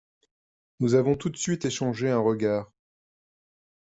Nous avons tout de suite échangé un regard.